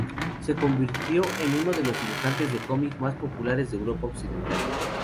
Se convirtió en uno de los dibujantes de cómic más populares de Europa occidental.